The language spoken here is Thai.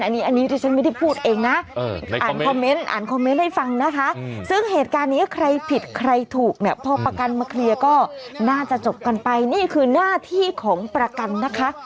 อันนี้อันนี้ที่ฉันไม่ได้พูดเองนะอ่านคอมเมนต์อ่านคอมเมนต์ให้ฟังนะคะซึ่งเหตุการณ์นี้ใครผิดใครถูกเนี่ยพอประกันมาเคลียร์ก็น่าจะจบกันไปนี่คือหน้าที่ของประกันนะคะ